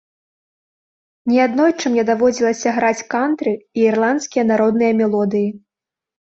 Не аднойчы мне даводзілася граць кантры і ірландскія народныя мелодыі.